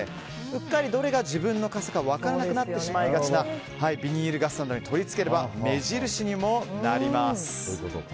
うっかり、どれが自分の傘か分からなくなってしまいがちなビニール傘に取り付ければ目印にもなります。